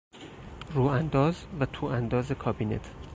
رو انداز و تو انداز کابینت